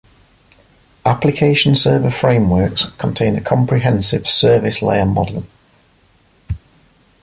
Application Server Frameworks contain a comprehensive service layer model.